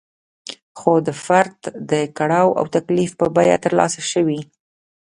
خو د فرد د کړاو او تکلیف په بیه ترلاسه شوې.